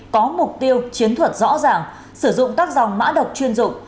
có mục tiêu chiến thuật rõ ràng sử dụng các dòng mã độc chuyên dụng